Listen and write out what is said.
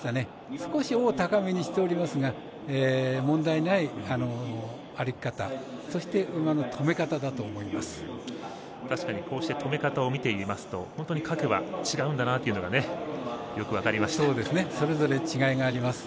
少し、尾を高めにしておりますが問題ない歩き方確かに、止め方を見ていますと本当に各馬違うんだなというのがそれぞれ違いがあります。